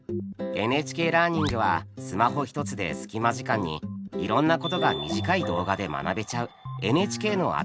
「ＮＨＫラーニング」はスマホ一つで隙間時間にいろんなことが短い動画で学べちゃうＮＨＫの新しいサービスです。